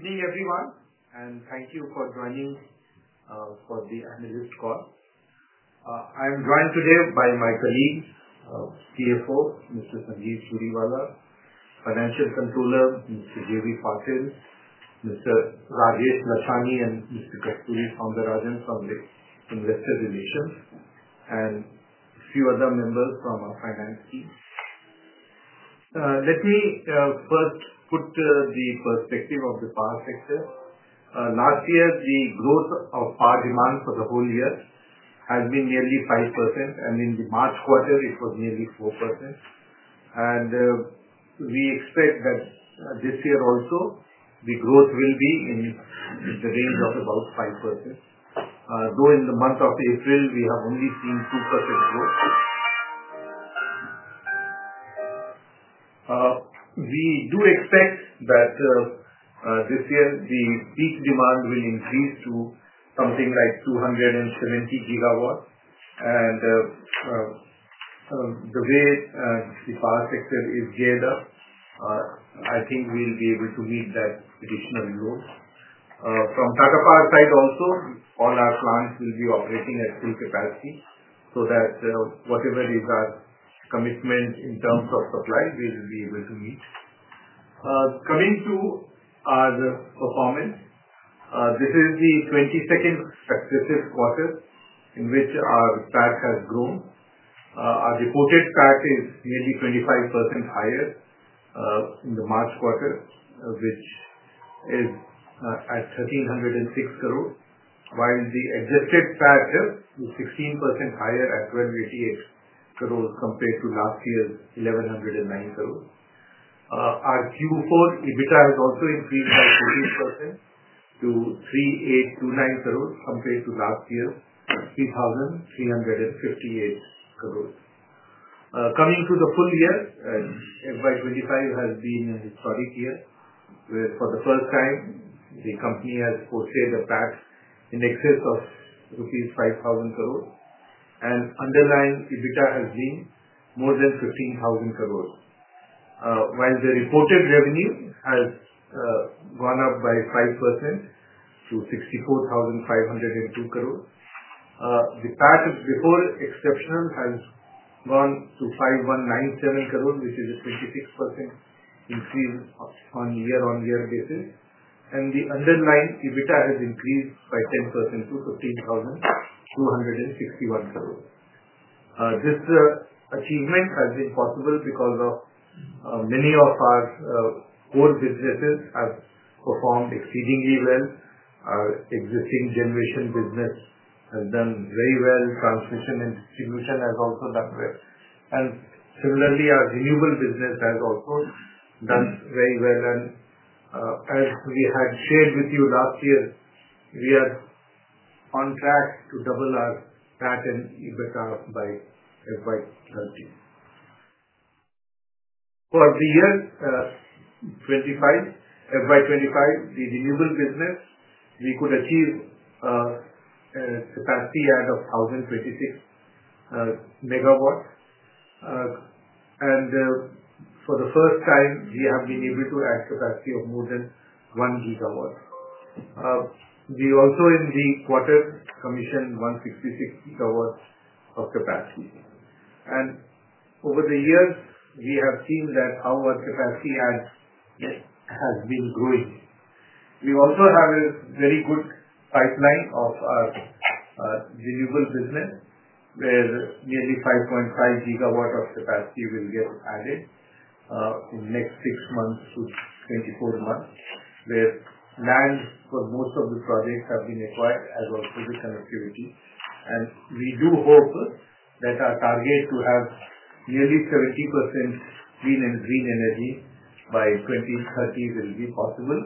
Good evening, everyone, and thank you for joining for the analyst call. I am joined today by my colleagues, CFO, Mr. Sanjeev Churiwala, Financial Controller, Mr. J.V. Patil, Mr. Rajesh Lachhani, and Mr. Kasturi Soundararajan from the Investor Relations, and a few other members from our finance team. Let me first put the perspective of the power sector. Last year, the growth of power demand for the whole year has been nearly 5%, and in the March quarter, it was nearly 4%. We expect that this year also, the growth will be in the range of about 5%, though in the month of April, we have only seen 2% growth. We do expect that this year, the peak demand will increase to something like 270 GW. The way the power sector is geared up, I think we will be able to meet that additional load. From Tata Power side also, all our plants will be operating at full capacity so that whatever is our commitment in terms of supply, we'll be able to meet. Coming to our performance, this is the 22nd successive quarter in which our PAT has grown. Our reported PAT is nearly 25% higher in the March quarter, which is at 1,306 crore, while the adjusted PAT is 16% higher at 1,288 crore compared to last year's 1,109 crore. Our Q4 EBITDA has also increased by 14% to 3,829 crore compared to last year's 3,358 crore. Coming to the full year, FY 2025 has been a historic year where, for the first time, the company has posted a PAT in excess of rupees 5,000 crore, and underlying EBITDA has been more than 15,000 crore. While the reported revenue has gone up by 5% to 64,502 crore, the PAT before exceptional has gone to 5,197 crore, which is a 26% increase on year-on-year basis. The underlying EBITDA has increased by 10% to 15,261 crore. This achievement has been possible because many of our core businesses have performed exceedingly well. Our existing generation business has done very well. Transmission and distribution has also done well. Similarly, our renewable business has also done very well. As we had shared with you last year, we are on track to double our PAT and EBITDA by FY 203 0. For the year FY 2025, the renewable business, we could achieve a capacity add of 1,026 MW. For the first time, we have been able to add capacity of more than 1 GW. We also, in the quarter, commissioned 166 GW of capacity. Over the years, we have seen that our capacity add has been growing. We also have a very good pipeline of our renewable business where nearly 5.5 GW of capacity will get added in the next 6 - 24 months, where land for most of the projects has been acquired, as well as the connectivity. We do hope that our target to have nearly 70% clean and green energy by 2030 will be possible,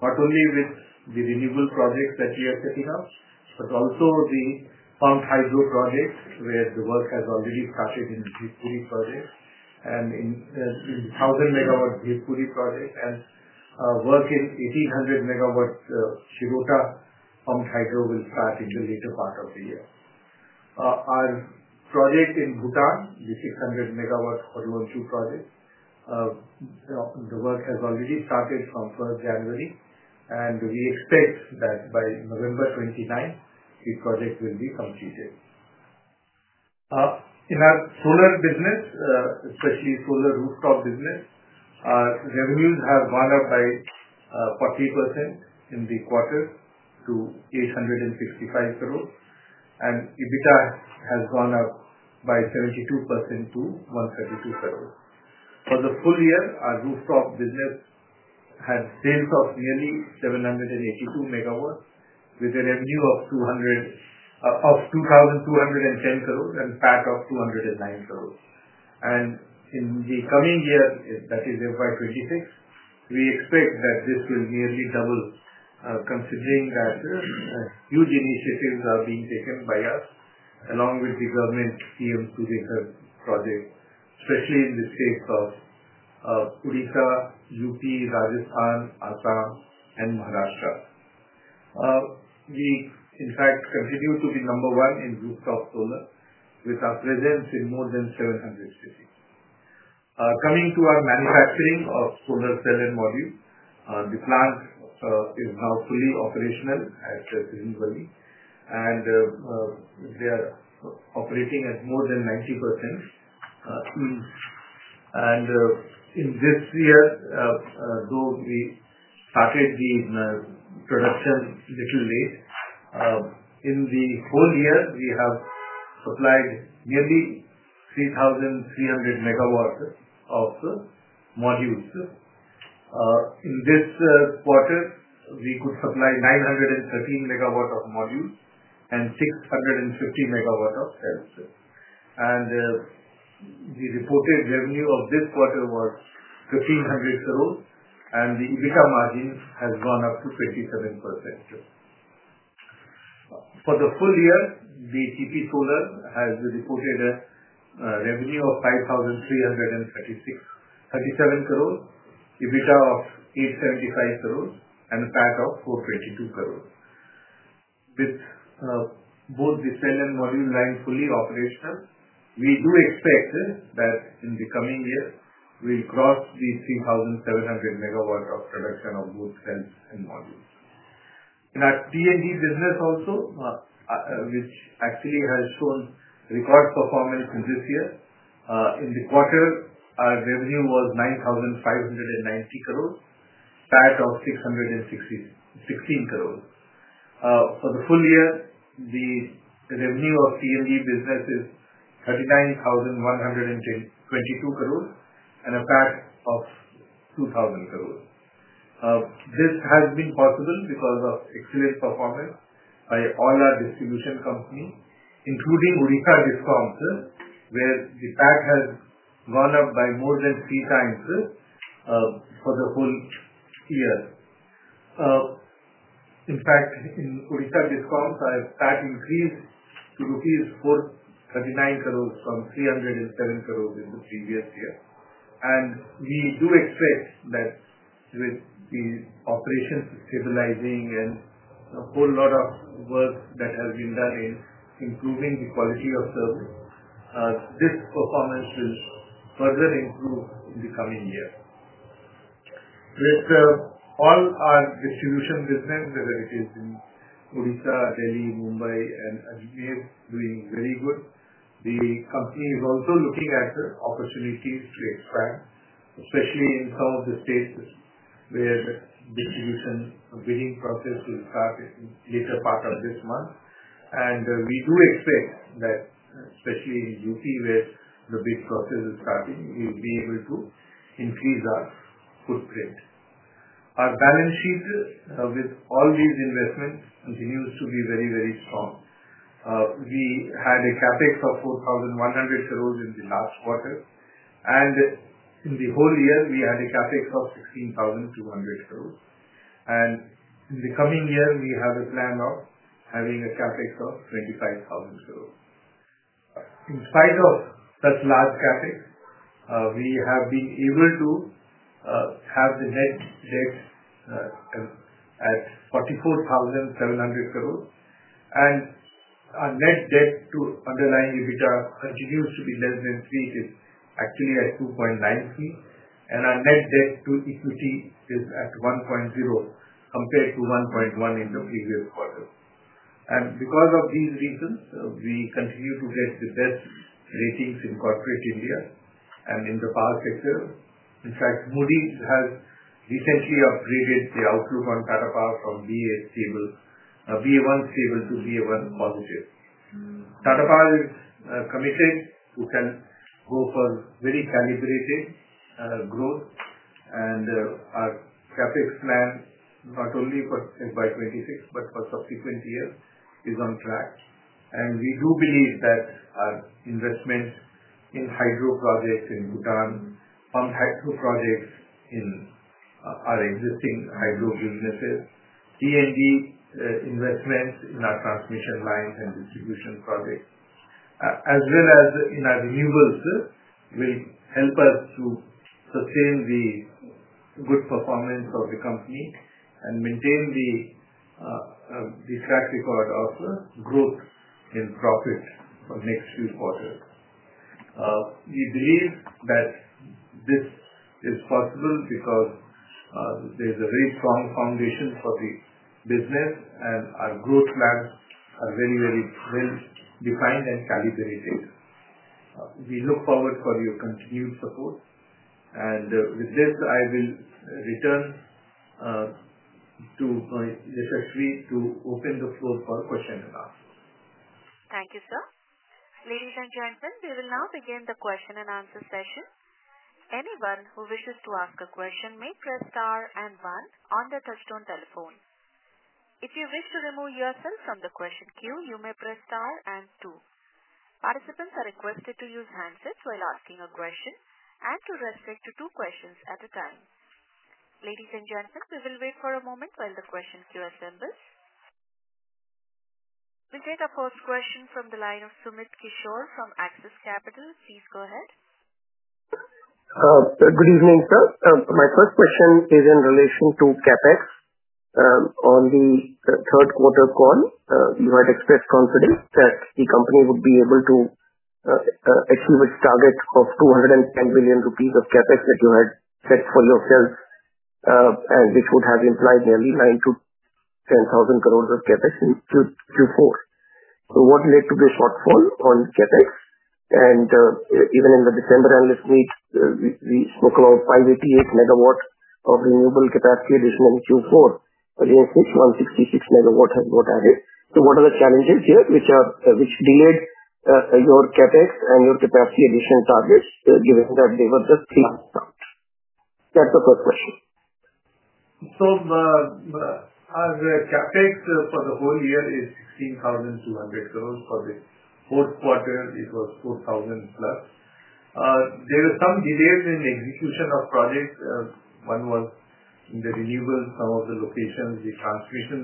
not only with the renewable projects that we are setting up, but also the pumped hydro project where the work has already started in the Bhivpuri project and in the 1,000 MW Bhivpuri project. Work in the 1,800 MW Shirota pumped hydro will start in the later part of the year. Our project in Bhutan, the 600 MW Khorlochhu project, the work has already started from 1st January, and we expect that by November 29, the project will be completed. In our solar business, especially solar rooftop business, our revenues have gone up by 40% in the quarter to 865 crore, and EBITDA has gone up by 72% to 132 crore. For the full year, our rooftop business had sales of nearly 782 MW with a revenue of 2,210 crore and PAT of 109 crore. In the coming year, that is FY 2026, we expect that this will nearly double considering that huge initiatives are being taken by us along with the government CM projects, especially in the states of Odisha, U.P., Rajasthan, Assam, and Maharashtra. We, in fact, continue to be number one in rooftop solar with our presence in more than 700 cities. Coming to our manufacturing of solar cell and module, the plant is now fully operational as presumably, and they are operating at more than 90% ease. In this year, though we started the production a little late, in the whole year, we have supplied nearly 3,300 MW of modules. In this quarter, we could supply 913 MW of modules and 650 MW of cells. The reported revenue of this quarter was 1,500 crore, and the EBITDA margin has gone up to 27%. For the full year, TP Solar has reported a revenue of 5,337 crore, EBITDA of 875 crore, and PAT of 422 crore. With both the cell and module line fully operational, we do expect that in the coming year, we'll cross the 3,700 MW of production of both cells and modules. In our T&D business also, which actually has shown record performance in this year, in the quarter, our revenue was 9,590 crore, PAT of 616 crore. For the full year, the revenue of T&D business is 39,122 crore and a PAT of 2,000 crore. This has been possible because of excellent performance by all our distribution companies, including Odisha Discoms, where the PAT has gone up by more than three times for the whole year. In fact, in Odisha Discoms, our PAT increased to rupees 439 crore from 307 crore in the previous year. We do expect that with the operations stabilizing and a whole lot of work that has been done in improving the quality of service, this performance will further improve in the coming year. With all our distribution business, whether it is in Odisha, Delhi, Mumbai, and Ajmer, doing very good, the company is also looking at opportunities to expand, especially in some of the states where the distribution bidding process will start in the later part of this month. We do expect that, especially in U.P., where the bid process is starting, we'll be able to increase our footprint. Our balance sheet with all these investments continues to be very, very strong. We had a CapEx of 4,100 crore in the last quarter, and in the whole year, we had a CapEx of 16,200 crore. In the coming year, we have a plan of having a CapEx of 25,000 crore. In spite of such large CapEx, we have been able to have the net debt at 44,700 crore. Our net debt to underlying EBITDA continues to be less than 3, which is actually at 2.93. Our net debt to equity is at 1.0 compared to 1.1 in the previous quarter. Because of these reasons, we continue to get the best ratings in corporate India and in the power sector. In fact, Moody's has recently upgraded the outlook on Tata Power from Ba1 stable to Ba1 positive. Tata Power is committed to go for very calibrated growth, and our CapEx plan, not only for FY 2026 but for subsequent years, is on track. We do believe that our investment in hydro projects in Bhutan, pumped hydro projects in our existing hydro businesses, T&D investments in our transmission lines and distribution projects, as well as in our renewables, will help us to sustain the good performance of the company and maintain the track record of growth in profit for the next few quarters. We believe that this is possible because there is a very strong foundation for the business, and our growth plans are very, very well defined and calibrated. We look forward to your continued support. With this, I will return to Yashasvi to open the floor for questions and answers. Thank you, sir. Ladies and gentlemen, we will now begin the Q&A session. Anyone who wishes to ask a question may press star and one on the touchtone telephone. If you wish to remove yourself from the question queue, you may press star and two. Participants are requested to use handsets while asking a question and to restrict to two questions at a time. Ladies and gentlemen, we will wait for a moment while the question queue assembles. We'll take our first question from the line of Sumit Kishore from Axis Capital. Please go ahead. Good evening, sir. My first question is in relation to CapEx. On the third quarter call, you had expressed confidence that the company would be able to achieve its target of 210 billion rupees of CapEx that you had set for yourself, and which would have implied nearly 9,000-10,000 crore of CapEx in Q4. What led to the shortfall on CapEx? Even in the December analyst meet, we spoke about 588 MW of renewable capacity addition in Q4. Again, 666 MW has got added. What are the challenges here which delayed your CapEx and your capacity addition targets, given that they were just three months out? That's the first question. Our CapEx for the whole year is 16,200 crore. For the fourth quarter, it was 4,000 plus. There were some delays in the execution of projects. One was in the renewables, some of the locations, the transmission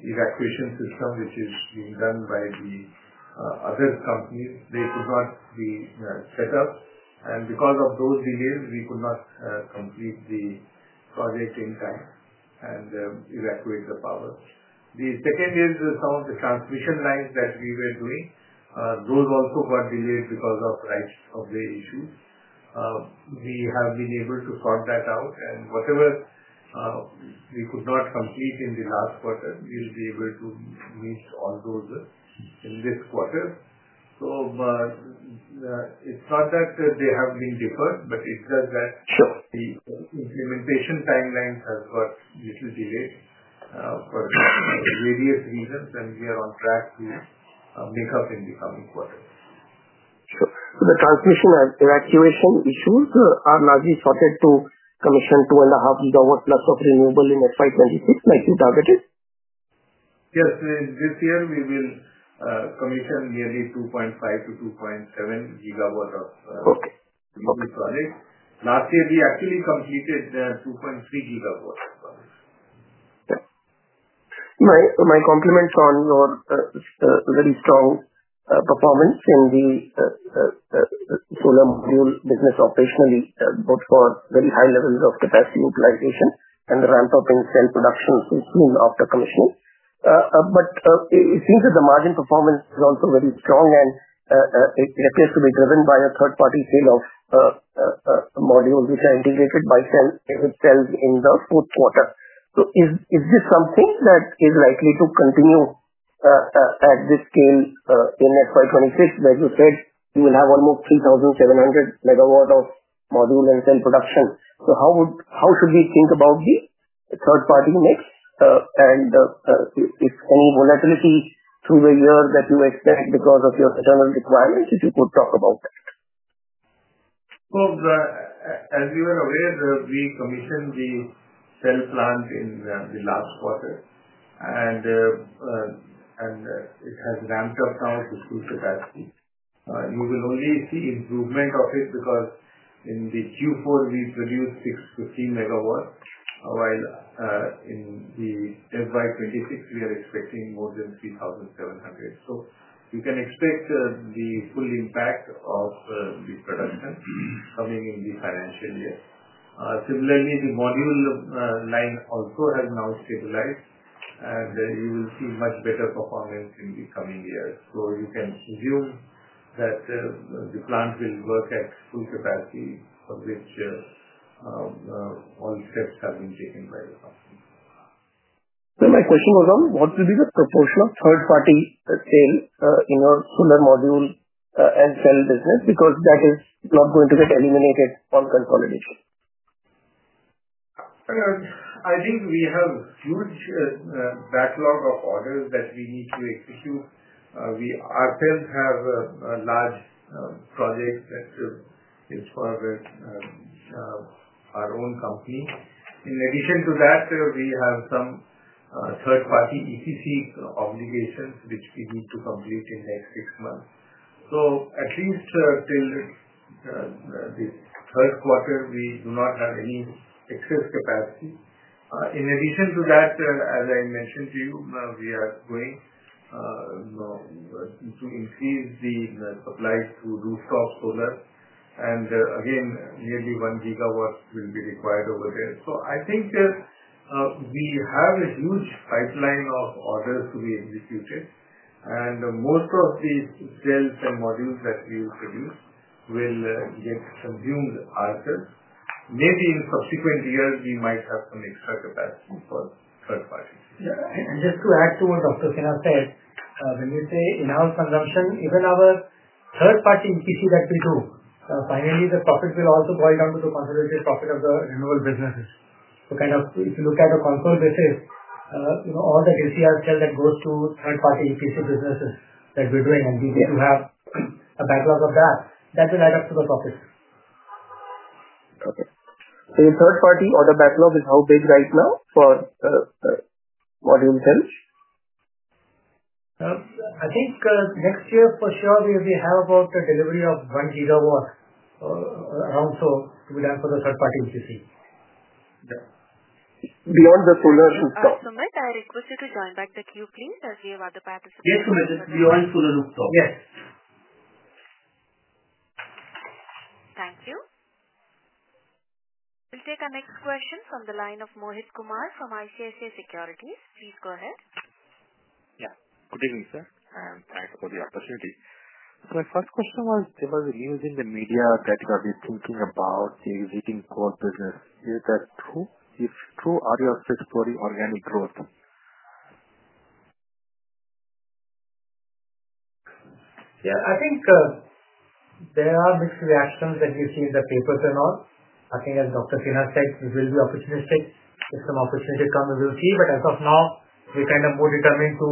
evacuation system, which is being done by the other companies, they could not be set up. Because of those delays, we could not complete the project in time and evacuate the power. The second is some of the transmission lines that we were doing. Those also got delayed because of rights of way issues. We have been able to sort that out. Whatever we could not complete in the last quarter, we will be able to meet all those in this quarter. It is not that they have been deferred, but it is just that the implementation timeline has got a little delayed for various reasons, and we are on track to make up in the coming quarter. Sure. So the transmission and evacuation issues are largely sorted to commission 2.5 GW plus of renewable in FY 2026, like you targeted? Yes. This year, we will commission nearly 2.5 GW-2.7 GW of renewable projects. Last year, we actually completed 2.3 GW of projects. My compliments on your very strong performance in the solar module business operationally, both for very high levels of capacity utilization and the ramp-up in cell production so soon after commissioning. It seems that the margin performance is also very strong, and it appears to be driven by a third-party sale of modules which are integrated by cell itself in the fourth quarter. Is this something that is likely to continue at this scale in FY 2026, where you said you will have almost 3,700 MW of module and cell production? How should we think about the third-party mix? If any volatility through the year that you expect because of your internal requirements, if you could talk about that. As you are aware, we commissioned the cell plant in the last quarter, and it has ramped up now to full capacity. You will only see improvement of it because in Q4, we produced 650 MW, while in FY 2026, we are expecting more than 3,700 MW. You can expect the full impact of the production coming in the financial year. Similarly, the module line also has now stabilized, and you will see much better performance in the coming years. You can presume that the plant will work at full capacity, for which all steps have been taken by the company. My question was on what will be the proportion of third-party sale in your solar module and cell business because that is not going to get eliminated on consolidation. I think we have a huge backlog of orders that we need to execute. Ourselves have large projects that are for our own company. In addition to that, we have some third-party EPC obligations which we need to complete in the next six months. At least till the third quarter, we do not have any excess capacity. In addition to that, as I mentioned to you, we are going to increase the supply to rooftop solar. Again, nearly 1 GW will be required over there. I think we have a huge pipeline of orders to be executed. Most of the cells and modules that we will produce will get consumed ourselves. Maybe in subsequent years, we might have some extra capacity for third-party. Just to add to what Dr. Sinha said, when we say in-house consumption, even our third-party EPC that we do, finally, the profit will also boil down to the consolidated profit of the renewable businesses. If you look at a console basis, all that LCR cell that goes to third-party EPC businesses that we're doing, and we need to have a backlog of that, that will add up to the profits. Okay. So your third-party order backlog is how big right now for module cells? I think next year, for sure, we have about a delivery of 1 GW, around, to be done for the third-party EPC. Beyond the solar rooftop. Hi, Sumit. I request you to join back the queue, please, as we have other participants. Yes, Sumit. Just beyond solar rooftop. Yes. Thank you. We'll take our next question from the line of Mohit Kumar from ICICI Securities. Please go ahead. Yeah. Good evening, sir, and thanks for the opportunity. My first question was, there was a news in the media that you are thinking about the existing core business. Is that true? If true, are you also exploring organic growth? Yeah. I think there are mixed reactions that we've seen in the papers and all. I think, as Dr. Sinha said, we will be opportunistic. If some opportunity comes, we will see. As of now, we're kind of more determined to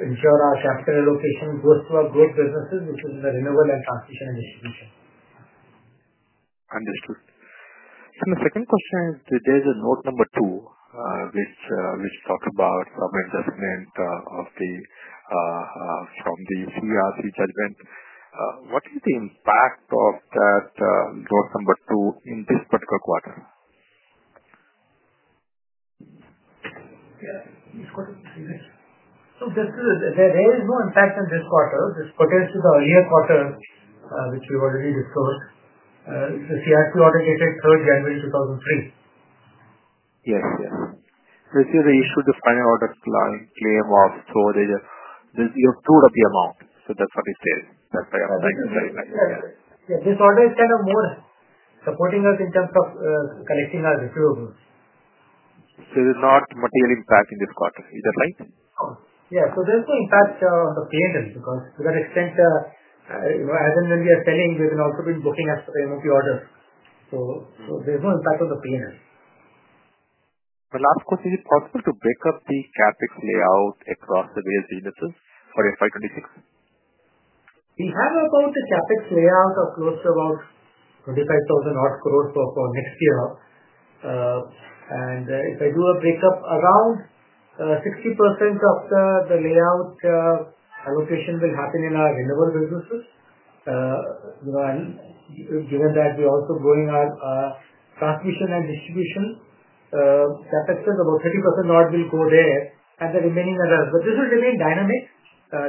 ensure our capital allocation goes to our growth businesses, which is in the renewable and transmission and distribution. Understood. The second question is, there's a note number two which talks about some adjustment from the CERC judgment. What is the impact of that note number two in this particular quarter? Yeah. This quarter, you said? There is no impact in this quarter. This pertains to the earlier quarter, which we've already disclosed. The CERC order dated January 3rd, 2003. Yes, yes. It says they issued the final order claim of storage through the amount. That is what it says. That is what I am trying to clarify. Yeah. This order is kind of more supporting us in terms of collecting our receivables. There's not material impact in this quarter. Is that right? Yeah. There is no impact on the P&L because to that extent, as and when we are selling, we have also been booking as per the MOP orders. There is no impact on the P&L. My last question is, is it possible to back up the CapEx layout across the various businesses for FY 2026? We have about the CapEx layout of close to about INR 25,000 crore for next year. If I do a breakup, around 60% of the layout allocation will happen in our renewable businesses. Given that we are also growing our transmission and distribution, CapEx is about 30% will go there and the remaining others. This will remain dynamic.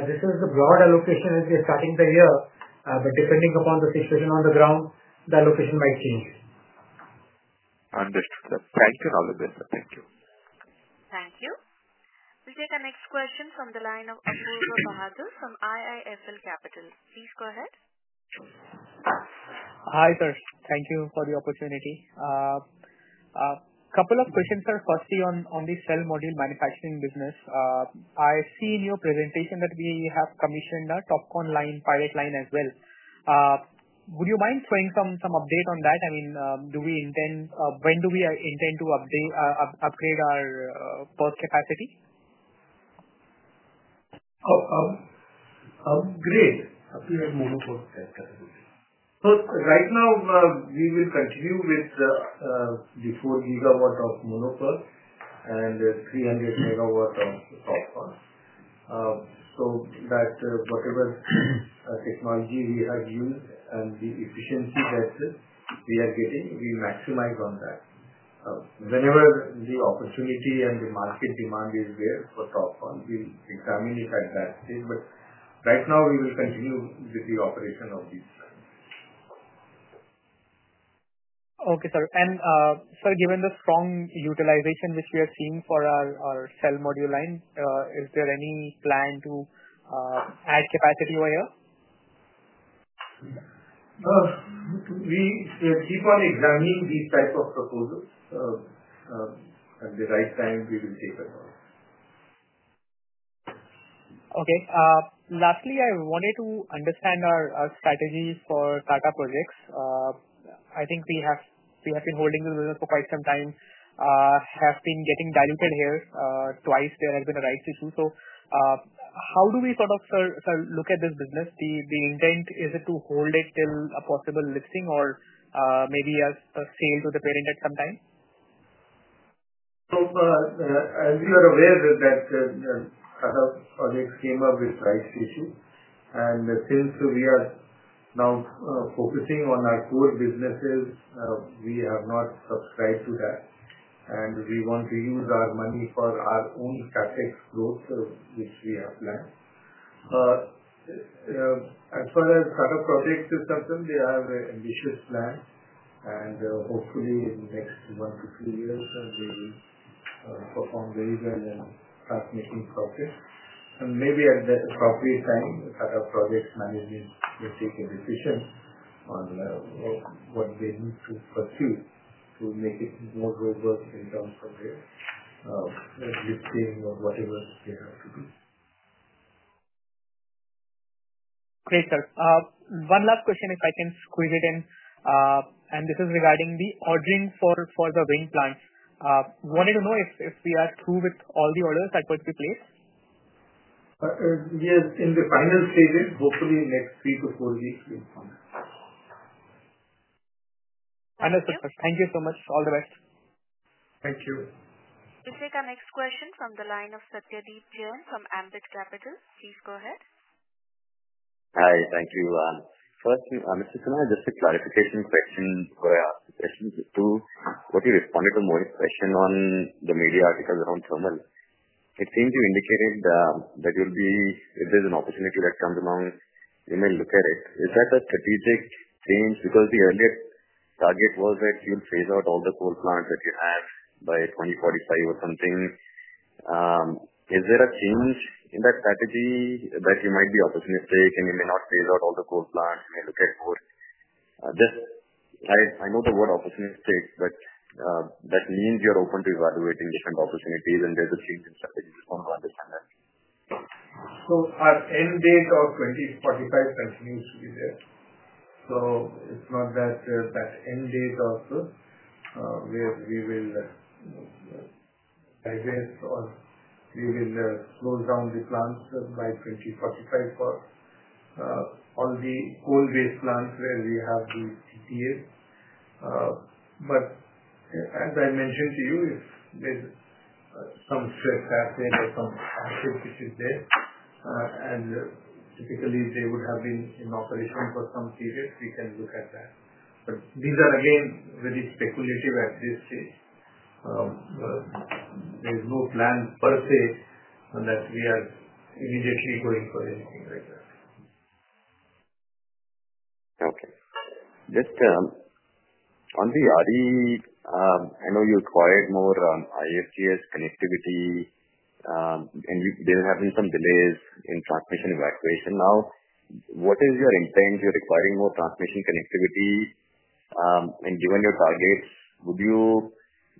This is the broad allocation as we are starting the year. Depending upon the situation on the ground, the allocation might change. Understood. Thank you for all of this. Thank you. Thank you. We'll take our next question from the line of Apoorva Bahadur from IIFL Capital. Please go ahead. Hi, sir. Thank you for the opportunity. A couple of questions, sir, firstly on the cell module manufacturing business. I see in your presentation that we have commissioned a TOPCon pilot line as well. Would you mind throwing some update on that? I mean, do we intend when do we intend to upgrade our PERC capacity? Upgrade? Upgrade Mono PERC capacity. So right now, we will continue with the 4 GW of Mono-PERC and 300 MW of TOPCon. So that whatever technology we have used and the efficiency that we are getting, we maximize on that. Whenever the opportunity and the market demand is there for TOPCon, we'll examine it at that stage. Right now, we will continue with the operation of these lines. Okay, sir. Sir, given the strong utilization which we are seeing for our cell module line, is there any plan to add capacity over here? We keep on examining these types of proposals. At the right time, we will take a look. Okay. Lastly, I wanted to understand our strategy for Tata Projects. I think we have been holding this business for quite some time, have been getting diluted here twice. There have been rights issues. How do we sort of look at this business? The intent, is it to hold it till a possible listing or maybe a sale to the parent at some time? As you are aware, other projects came up with rights issues. Since we are now focusing on our core businesses, we have not subscribed to that. We want to use our money for our own Capex growth, which we have planned. As far as Tata Projects are concerned, they have an ambitious plan. Hopefully, in the next one to three years, they will perform very well and start making profits. Maybe at the appropriate time, Tata Projects management will take a decision on what they need to pursue to make it more robust in terms of their listing or whatever they have to do. Great, sir. One last question, if I can squeeze it in. This is regarding the ordering for the wind plants. Wanted to know if we are through with all the orders that were to be placed. Yes. In the final stage, hopefully, in the next three to four weeks, we'll come back. Understood, sir. Thank you so much. All the best. Thank you. We'll take our next question from the line of Satyadeep Jain from Ambit Capital. Please go ahead. Hi. Thank you. First, Mr. Sinha, just a clarification question before I ask the question. What you responded to Mohit's question on the media articles around thermal, it seems you indicated that there will be, if there's an opportunity that comes along, you may look at it. Is that a strategic change? Because the earlier target was that you'll phase out all the coal plants that you have by 2045 or something. Is there a change in that strategy that you might be opportunistic and you may not phase out all the coal plants and you look at both? I know the word opportunistic, but that means you're open to evaluating different opportunities, and there's a change in strategy. Just want to understand that. Our end date of 2045 continues to be there. It is not that end date where we will divest or we will close down the plants by 2045 for all the coal-based plants where we have these PPAs. As I mentioned to you, if there is some stress asset or some asset which is there, and typically, they would have been in operation for some period, we can look at that. These are, again, very speculative at this stage. There is no plan per se that we are immediately going for anything like that. Okay. Just on the RE, I know you required more ISTS connectivity, and there have been some delays in transmission evacuation now. What is your intent? You're requiring more transmission connectivity. And given your targets,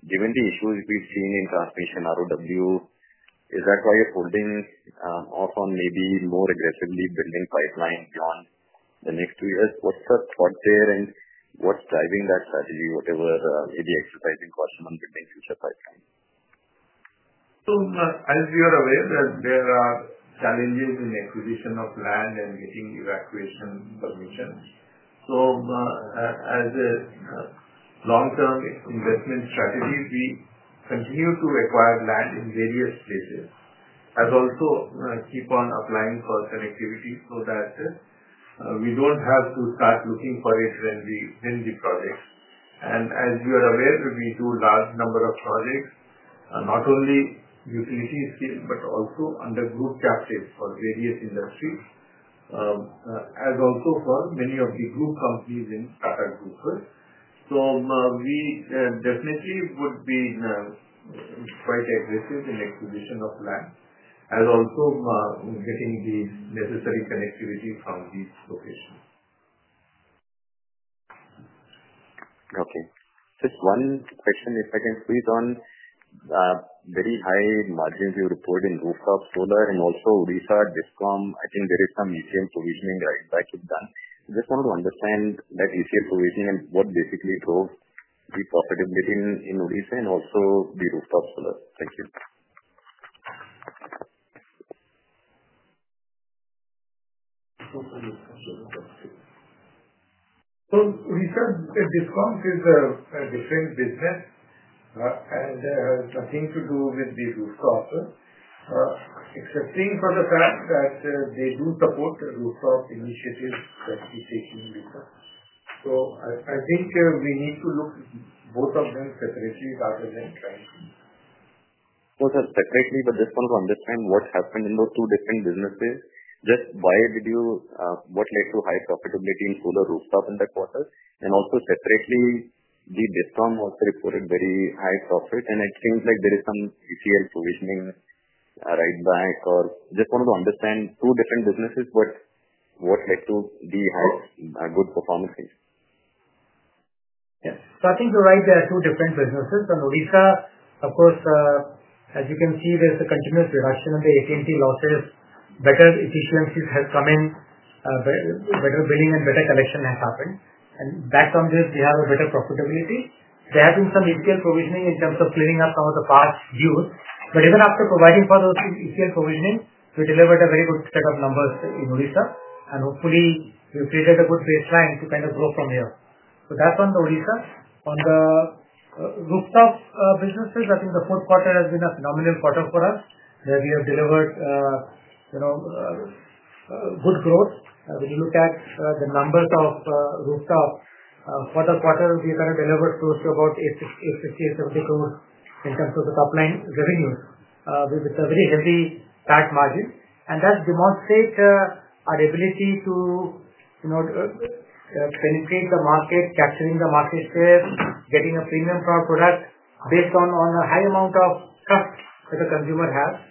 given the issues we've seen in transmission ROW, is that why you're holding off on maybe more aggressively building pipeline beyond the next two years? What's the thought there and what's driving that strategy, whatever may be exercising caution on building future pipeline? As you are aware, there are challenges in acquisition of land and getting evacuation permissions. As a long-term investment strategy, we continue to acquire land in various places, as also keep on applying for connectivity so that we do not have to start looking for it when we win the projects. As you are aware, we do a large number of projects, not only utility scale, but also under group captives for various industries, as also for many of the group companies in Tata Group. We definitely would be quite aggressive in acquisition of land, as also getting the necessary connectivity from these locations. Okay. Just one question, if I can please, on very high margins you report in rooftop solar and also Odisha Discom. I think there is some ECL provisioning right back is done. I just want to understand that ECL provisioning and what basically drove the profitability in Odisha and also the rooftop solar. Thank you. We said Discom is a different business and has nothing to do with the rooftops, excepting for the fact that they do support the rooftop initiatives that we're taking with them. I think we need to look at both of them separately rather than trying to. Both are separately, but just want to understand what happened in those two different businesses. Just why did you, what led to high profitability in solar rooftop in that quarter? Also, separately, the Discom also reported very high profit, and it seems like there is some ECL provisioning right back. Just want to understand two different businesses, but what led to the highest good performance? Yes. I think you're right. There are two different businesses. On Odisha, of course, as you can see, there's a continuous reduction in the AT&C losses. Better efficiencies have come in, better billing, and better collection has happened. Back on this, we have a better profitability. There have been some ECL provisioning in terms of clearing up some of the past dues. Even after providing for those ECL provisioning, we delivered a very good set of numbers in Odisha. Hopefully, we've created a good baseline to kind of grow from here. That's on the Odisha. On the rooftop businesses, I think the fourth quarter has been a phenomenal quarter for us, where we have delivered good growth. When you look at the numbers of rooftops, for the quarter, we kind of delivered close to about 850 crore-870 crore in terms of the top-line revenues, with a very heavy TAT margin. That demonstrates our ability to penetrate the market, capturing the market share, getting a premium for our product based on a high amount of trust that the consumer has.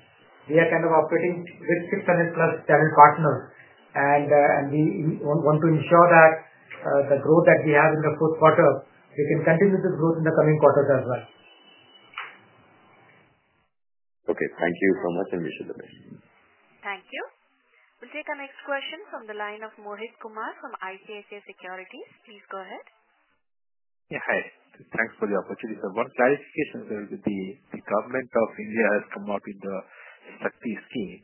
We are kind of operating with 600-plus channel partners, and we want to ensure that the growth that we have in the fourth quarter, we can continue to grow in the coming quarters as well. Okay. Thank you so much, and we should be based. Thank you. We'll take our next question from the line of Mohit Kumar from ICICI Securities. Please go ahead. Yeah. Hi. Thanks for the opportunity. One clarification. The Government of India has come out with the Shakti scheme,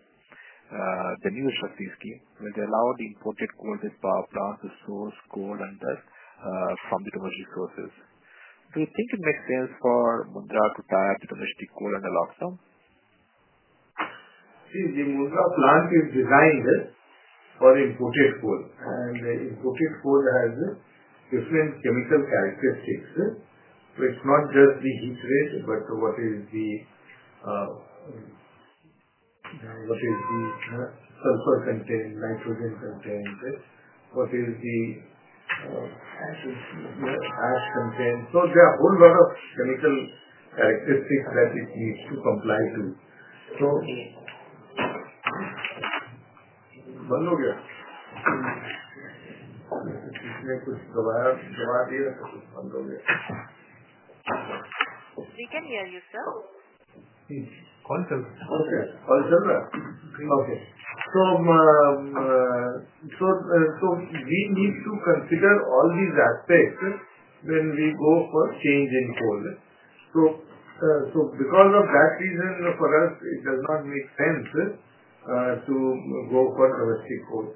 the new Shakti scheme, which allowed imported coal-based power plants to source coal from the domestic sources. Do you think it makes sense for Mundra to tap the domestic coal under lockdown? See, the Mundra plant is designed for imported coal. Imported coal has different chemical characteristics. It is not just the heat rate, but what is the sulfur content, nitrogen content, what is the ash content. There are a whole lot of chemical characteristics that it needs to comply to. Bundle your. We can hear you, sir. Call's still. Okay. Call's still. Okay. We need to consider all these aspects when we go for change in coal. Because of that reason, for us, it does not make sense to go for domestic coal.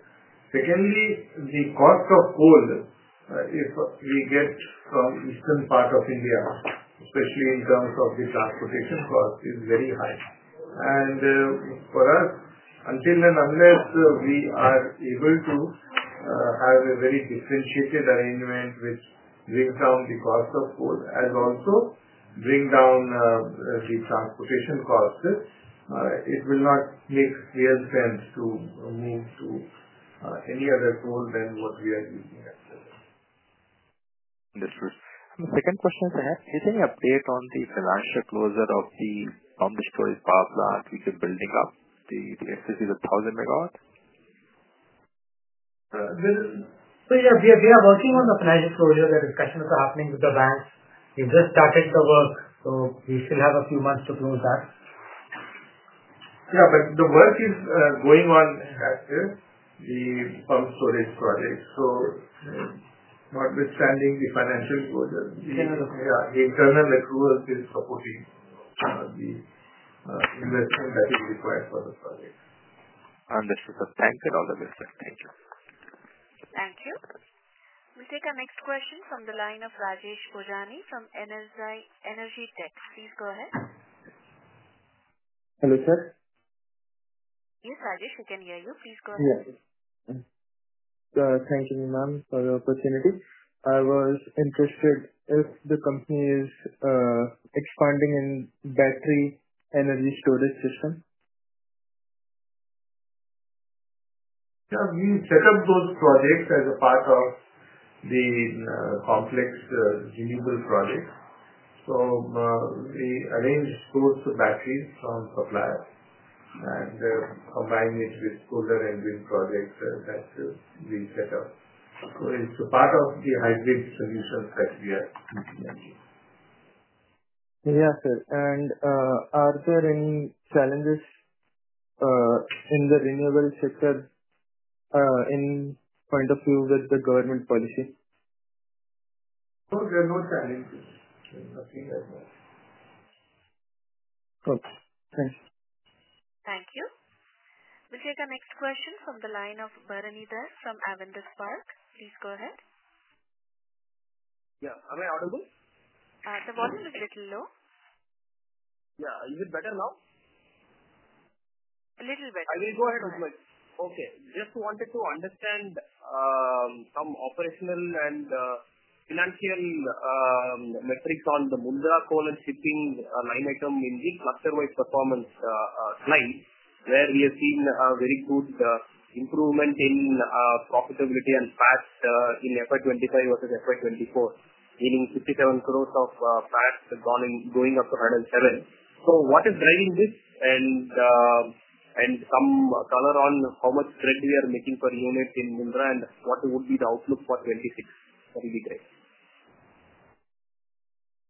Secondly, the cost of coal, if we get from the eastern part of India, especially in terms of the transportation cost, is very high. For us, until and unless we are able to have a very differentiated arrangement, which brings down the cost of coal, as also brings down the transportation costs, it will not make real sense to move to any other coal than what we are using at present. Understood. The second question is, do I have any update on the financial closure of the Pumped Storage Power Plant which you're building up, the electricity is 1,000 MW? Yeah, we are working on the financial closure. The discussions are happening with the banks. We've just started the work, so we still have a few months to close that. Yeah, but the work is going on at the pumped storage project. Notwithstanding the financial closure, the internal accrual is supporting the investment that is required for the project. Understood. The bank and all the business. Thank you. Thank you. We'll take our next question from the line of Rajesh Bhojani from NSG Tech. Please go ahead. Hello, sir. Yes, Rajesh, we can hear you. Please go ahead. Yes. Thank you, ma'am, for the opportunity. I was interested if the company is expanding in battery energy storage system. Yeah. We set up those projects as a part of the complex renewable projects. We arranged both the batteries from suppliers and combined it with solar and wind projects that we set up. It is a part of the hybrid solutions that we are implementing. Yes, sir. Are there any challenges in the renewable sector in point of view with the government policy? No, there are no challenges. Nothing like that. Okay. Thank you. Thank you. We'll take our next question from the line of Bharanidhar from Avendus Spark. Please go ahead. Yeah. Am I audible? The volume is a little low. Yeah. Is it better now? A little better. I will go ahead with my, okay. Just wanted to understand some operational and financial metrics on the Mundra coal and shipping line item in the cluster-wide performance slide, where we have seen a very good improvement in profitability and PAT in FY 2025 versus FY 2024, meaning 57 crore of PAT going up to 107 crore. What is driving this? Some color on how much spread we are making per unit in Mundra and what would be the outlook for 2026? That would be great.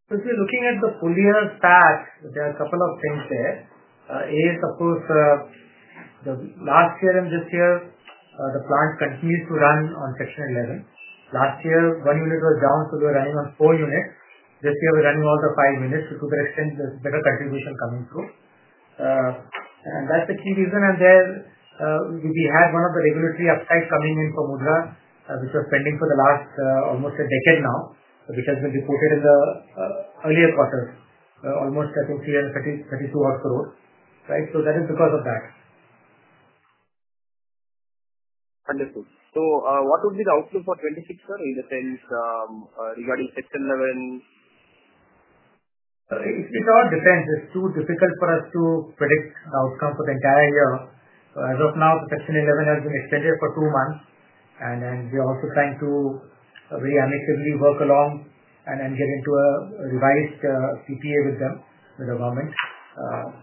If you're looking at the full year PAT, there are a couple of things there. A, of course, last year and this year, the plant continues to run on section 11. Last year, one unit was down, so we were running on four units. This year, we're running all five units, which led to a better contribution coming through. That is the key reason. We had one of the regulatory upsides coming in for Mundra, which was pending for almost a decade now, which has been reported in the earlier quarters, almost, I think, 332 crore. That is because of that. Wonderful. What would be the outlook for 2026, sir, in the sense regarding section 11? It all depends. It's too difficult for us to predict the outcome for the entire year. As of now, section 11 has been extended for two months. We are also trying to very amicably work along and get into a revised PPA with the government.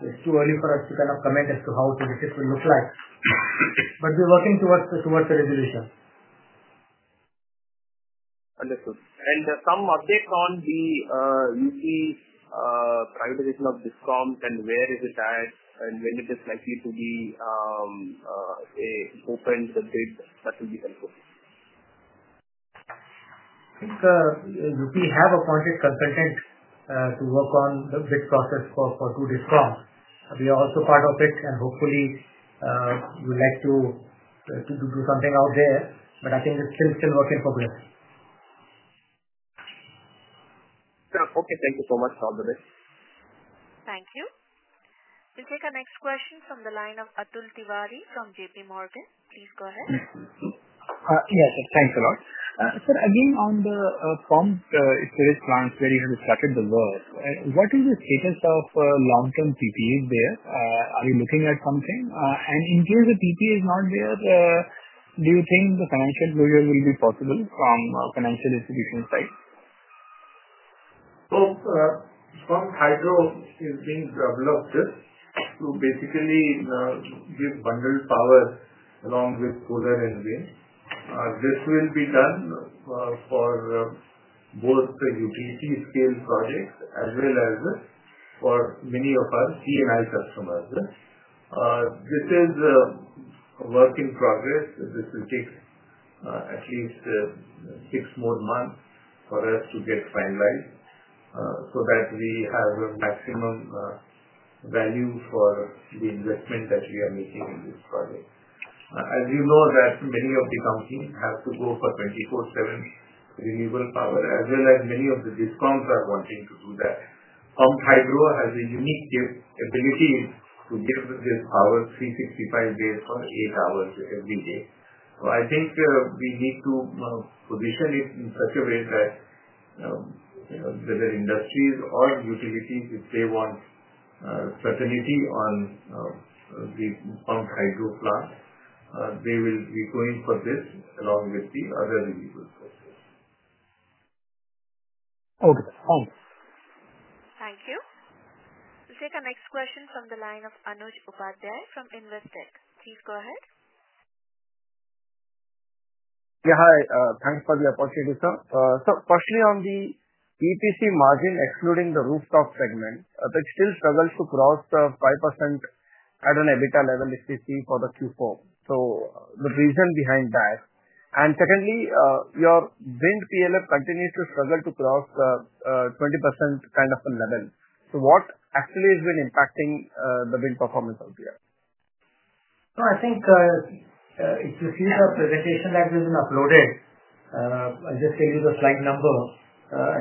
It's too early for us to kind of comment as to how the decision will look like. We are working towards a resolution. Understood. Some updates on the U.P. privatization of Discom and where is it at, and when it is likely to be opened, the bid, that would be helpful. I think Uttar Pradesh have appointed consultant to work on the bid process for two discoms. We are also part of it, and hopefully, we would like to do something out there. I think it's still working for good. Okay. Thank you so much. Thank you. We'll take our next question from the line of Atul Tiwari from JPMorgan. Please go ahead. Yes, sir. Thanks a lot. Sir, again, on the pumped storage plants where you have started the work, what is the status of long-term PPAs there? Are you looking at something? In case the PPA is not there, do you think the financial closure will be possible from the financial institution side? Discom Hydro is being developed to basically give bundled power along with solar and wind. This will be done for both the utility-scale projects as well as for many of our C&I customers. This is a work in progress. This will take at least six more months for us to get finalized so that we have maximum value for the investment that we are making in this project. As you know, many of the companies have to go for 24/7 renewable power, as well as many of the Discoms are wanting to do that. Pumped Hydro has a unique ability to give this power 365 days for eight hours every day. I think we need to position it in such a way that whether industries or utilities, if they want certainty on the Pumped Hydro plant, they will be going for this along with the other renewable sources. Okay. Thank you. Thank you. We'll take our next question from the line of Anuj Upadhyay from Investec. Please go ahead. Yeah. Hi. Thanks for the opportunity, sir. Firstly, on the EPC margin excluding the rooftop segment, it still struggles to cross 5% at an EBITDA level, if you see, for the Q4. The reason behind that? Secondly, your wind PLF continues to struggle to cross the 20% kind of level. What actually has been impacting the wind performance out there? I think if you see the presentation that we've been uploaded, I'll just tell you the slide number.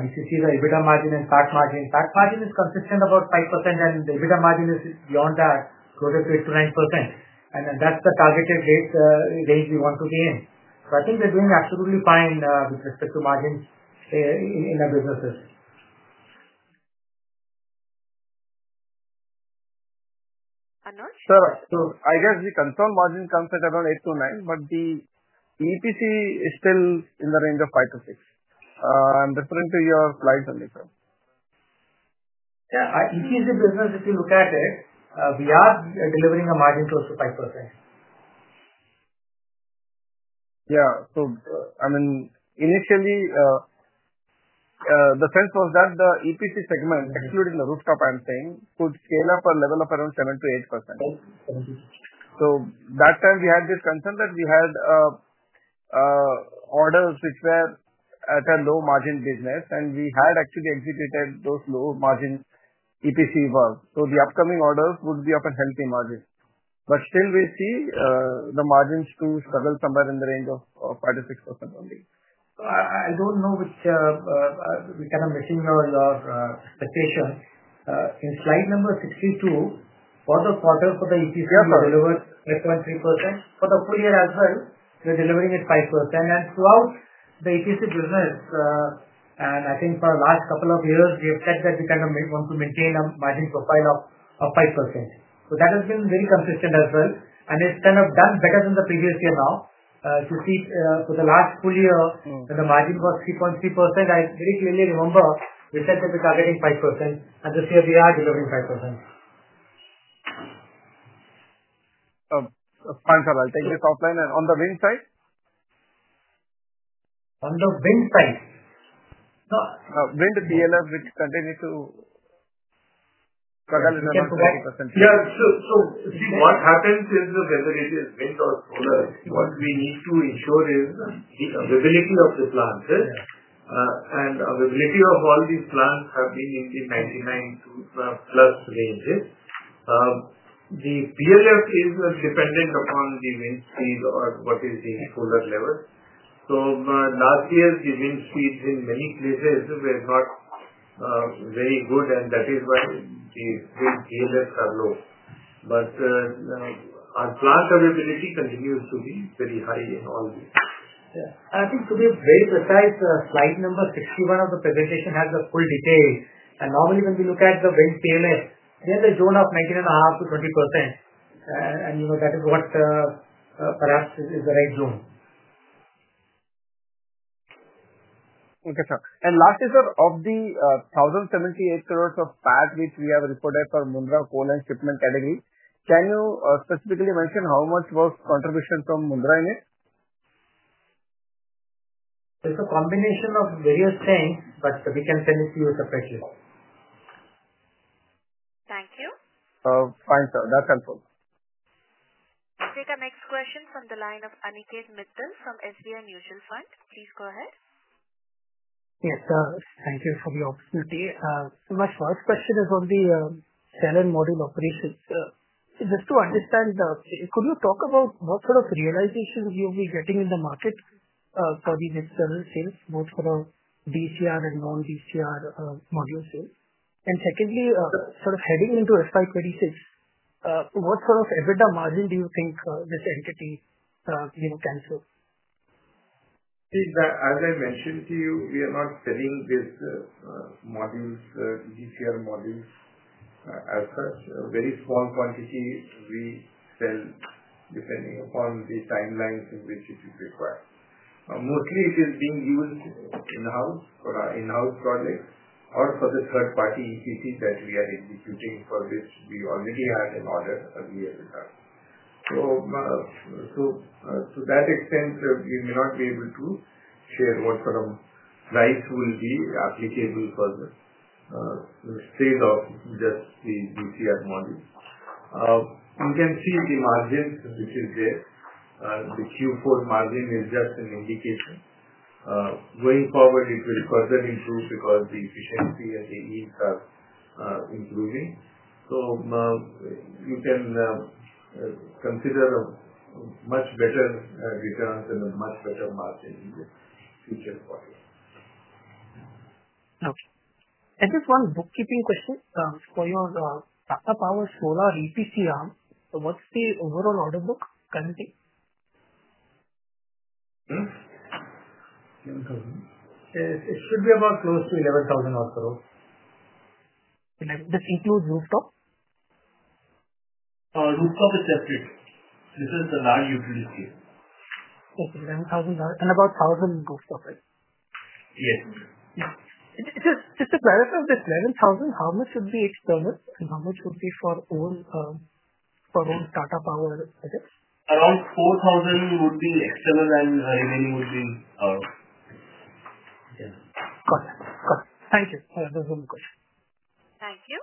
If you see the EBITDA margin and PAT margin, PAT margin is consistent about 5%, and the EBITDA margin is beyond that, closer to 8-9%. That's the targeted range we want to be in. I think we're doing absolutely fine with respect to margins in our businesses. Anuj? Sir, I guess the consultant margin comes at around 8-9%, but the EPC is still in the range of 5-6%. I'm referring to your slide, Anuj. Yeah. EPC business, if you look at it, we are delivering a margin close to 5%. Yeah. I mean, initially, the sense was that the EPC segment, excluding the rooftop, I'm saying, could scale up a level of around 7-8%. That time, we had this concern that we had orders which were at a low margin business, and we had actually executed those low margin EPC work. The upcoming orders would be of a healthy margin. Still, we see the margins to struggle somewhere in the range of 5-6% only. I do not know which we kind of missing your expectation. In slide number 62, for the quarter, for the EPC, we delivered 8.3%. For the full year as well, we are delivering at 5%. Throughout the EPC business, and I think for the last couple of years, we have said that we kind of want to maintain a margin profile of 5%. That has been very consistent as well. It is kind of done better than the previous year now. If you see, for the last full year, when the margin was 3.3%, I very clearly remember we said that we are targeting 5%. This year, we are delivering 5%. Fine, sir. I'll take this offline. On the wind side? On the wind side? Wind PLF, which continues to struggle in the margin of 20%. Yeah. So see what happens is, whether it is wind or solar, what we need to ensure is the availability of the plants. And availability of all these plants has been in the 99% plus ranges. The PLF is dependent upon the wind speed or what is the solar level. Last year, the wind speeds in many places were not very good, and that is why the wind PLFs are low. Our plant availability continues to be very high in all these. Yeah. I think to be very precise, slide number 61 of the presentation has the full detail. Normally, when we look at the wind PLF, we have a zone of 19.5-20%. That is what perhaps is the right zone. Okay, sir. Lastly, sir, of the 1,078 crore of PAT, which we have reported for Mundra coal and shipment category, can you specifically mention how much was contribution from Mundra in it? It's a combination of various things, but we can tell it to you separately. Thank you. Fine, sir. That's helpful. We'll take our next question from the line of Aniket Mittal from SBI Mutual Fund. Please go ahead. Yes, sir. Thank you for the opportunity. My first question is on the cell and module operations. Just to understand, could you talk about what sort of realizations you'll be getting in the market for the next several sales, both for DCR and non-DCR module sales? Secondly, sort of heading into FY 2026, what sort of EBITDA margin do you think this entity can serve? As I mentioned to you, we are not selling these modules, DCR modules as such. Very small quantities we sell, depending upon the timelines in which it is required. Mostly, it is being used in-house for our in-house projects or for the third-party EPC that we are executing for which we already had an order earlier in the house. To that extent, we may not be able to share what sort of price will be applicable for the state of just the DCR module. You can see the margins which is there. The Q4 margin is just an indication. Going forward, it will further improve because the efficiency and the yields are improving. You can consider much better returns and a much better margin in the future for it. Okay. Just one bookkeeping question. For your Tata Power Solar EPC arm, what's the overall order book currently? 11,000. It should be about close to 11,000-odd crore. This includes rooftop? Rooftop is separate. This is the large utility scale. Okay. INR 11,000-odd crore and about 1,000 crore rooftop, right? Yes. Just to clarify, this 11,000 crore, how much would be external and how much would be for own Tata Power projects? Around 4,000 crore would be external and remaining would be our internal. Got it. Got it. Thank you. Those were my questions. Thank you.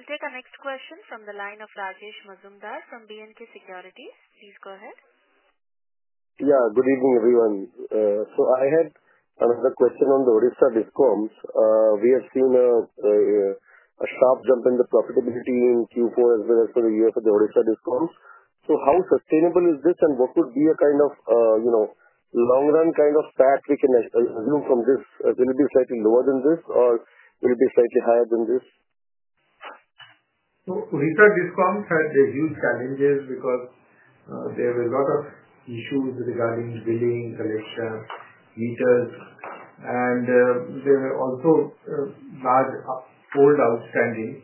We'll take our next question from the line of Rajesh Majumdar from B&K Securities. Please go ahead. Yeah. Good evening, everyone. I had another question on the Odisha Discoms. We have seen a sharp jump in the profitability in Q4 as well as for the year for the Odisha Discoms. How sustainable is this and what would be a kind of long-run kind of PAT we can assume from this? Will it be slightly lower than this or will it be slightly higher than this? Odisha Discoms had huge challenges because there were a lot of issues regarding billing, collection, meters. There were also large old outstanding.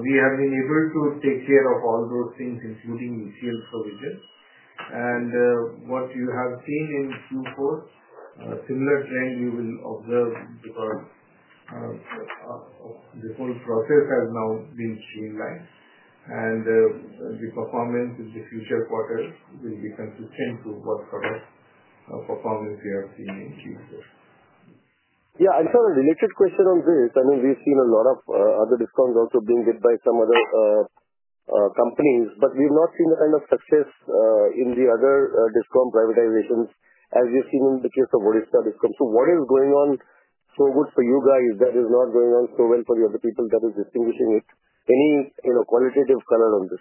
We have been able to take care of all those things, including resale provision. What you have seen in Q4, a similar trend you will observe because the whole process has now been streamlined. The performance in the future quarters will be consistent to what sort of performance we have seen in Q4. Yeah. Sort of related question on this. I mean, we've seen a lot of other Discoms also being bid by some other companies, but we've not seen the kind of success in the other Discom privatizations as we've seen in the case of Odisha Discoms. What is going on so good for you guys that is not going on so well for the other people that is distinguishing it? Any qualitative color on this?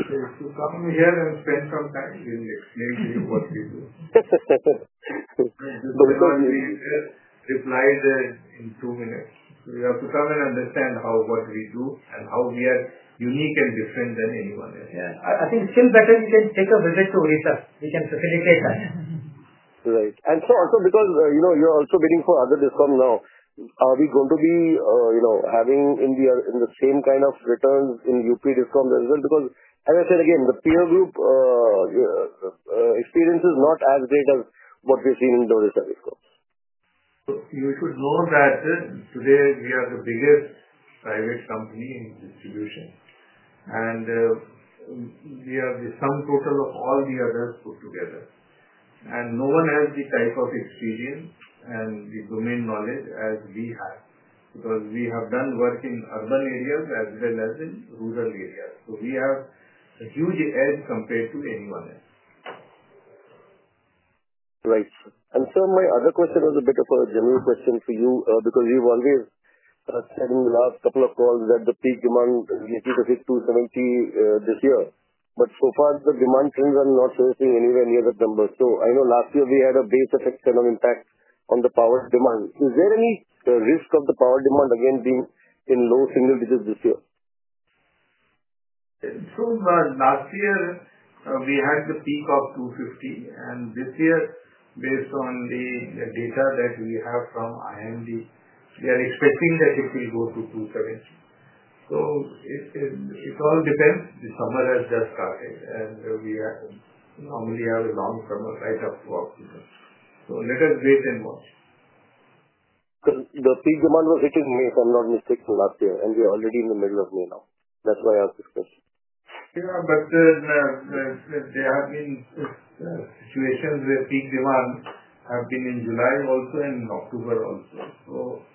Come here and spend some time in the next minute to hear what we do. We are going to be replied in two minutes. You have to come and understand what we do and how we are unique and different than anyone else. Yeah. I think still better you can take a visit to Odisha. We can facilitate that. Right. Also, because you're also bidding for other discoms now, are we going to be having the same kind of returns in U.P. discoms as well? Because, as I said again, the peer group experience is not as great as what we've seen in the Odisha discoms. You should know that today we are the biggest private company in distribution. We have the sum total of all the others put together. No one has the type of experience and the domain knowledge as we have because we have done work in urban areas as well as in rural areas. We have a huge edge compared to anyone else. Right. Sir, my other question was a bit of a general question for you because you have always said in the last couple of calls that the peak demand is likely to hit 270 this year. So far, the demand trends are not facing anywhere near that number. I know last year we had a base effect kind of impact on the power demand. Is there any risk of the power demand again being in low-single-digits this year? Last year, we had the peak of 250. This year, based on the data that we have from IMD, we are expecting that it will go to 270. It all depends. The summer has just started, and we normally have a long summer right up to October. Let us wait and watch. Because the peak demand was hitting May, if I'm not mistaken, last year. We're already in the middle of May now. That's why I asked this question. Yeah. There have been situations where peak demand has been in July also and October also.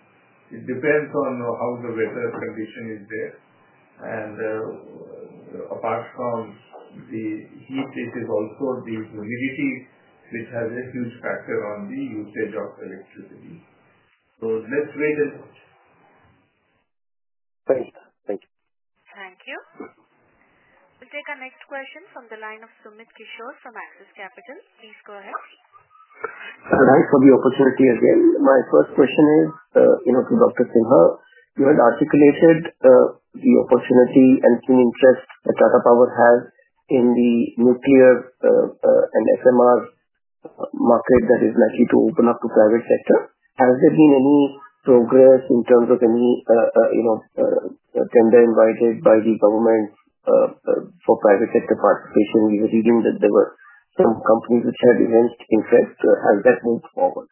It depends on how the weather condition is there. Apart from the heat, it is also the humidity, which has a huge factor on the usage of electricity. Let's wait and watch. Thank you. Thank you. Thank you. We'll take our next question from the line of Sumit Kishore from Axis Capital. Please go ahead. Thanks for the opportunity again. My first question is to Dr. Sinha. You had articulated the opportunity and keen interest that Tata Power has in the nuclear and SMR market that is likely to open up to private sector. Has there been any progress in terms of any tender invited by the government for private sector participation? We were reading that there were some companies which had events. In fact, has that moved forward?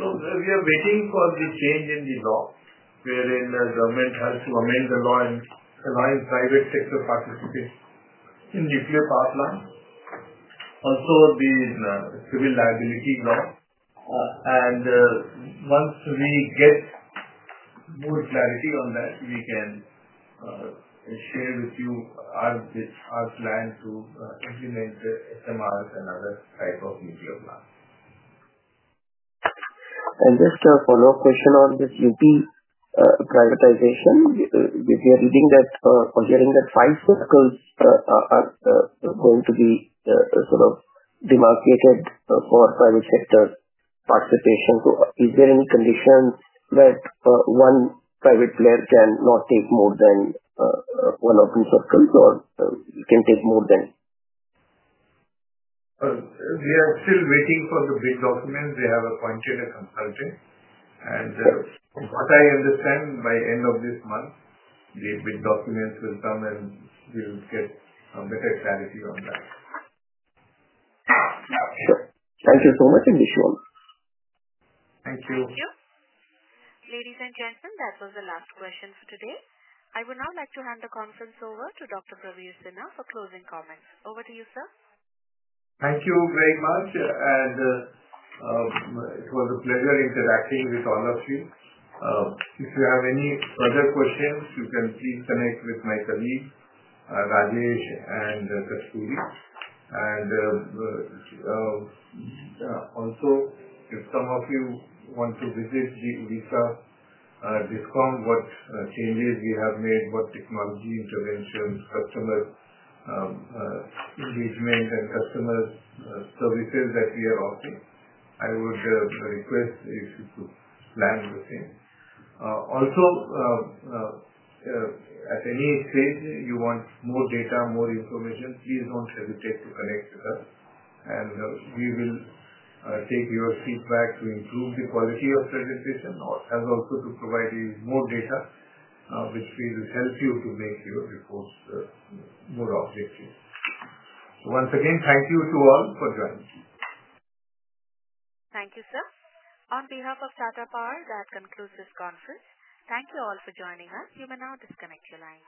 We are waiting for the change in the law wherein the government has to amend the law and allowing private sector participation in nuclear power plants. Also, the civil liability law. Once we get more clarity on that, we can share with you our plan to implement SMRs and other types of nuclear plants. Just a follow-up question on this U.P. privatization. We are reading that or hearing that five circles are going to be sort of demarcated for private sector participation. Is there any condition that one private player cannot take more than one or two circles or can take more than? We are still waiting for the bid documents. They have appointed a consultant. From what I understand, by the end of this month, the bid documents will come and we'll get a better clarity on that. Thank you so much, Aniket Mittal. Thank you. Thank you. Ladies and gentlemen, that was the last question for today. I would now like to hand the conference over to Dr. Praveer Sinha for closing comments. Over to you, sir. Thank you very much. It was a pleasure interacting with all of you. If you have any further questions, you can please connect with my colleagues, Rajesh and Kasturi. Also, if some of you want to visit the Odisha Discoms, what changes we have made, what technology interventions, customer engagement, and customer services that we are offering, I would request if you could plan with him. At any stage you want more data, more information, please do not hesitate to connect with us. We will take your feedback to improve the quality of presentation or also to provide you more data which will help you to make your reports more objective. Once again, thank you to all for joining me. Thank you, sir. On behalf of Tata Power, that concludes this conference. Thank you all for joining us. You may now disconnect your lines.